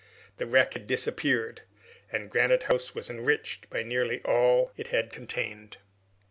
The wreck had disappeared, and Granite House was enriched by nearly all it had contained.